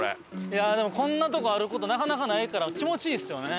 いやあでもこんなとこ歩く事なかなかないから気持ちいいですよね。